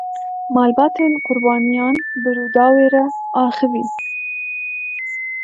Malbatên qurbaniyan bi Rûdawê re axivîn.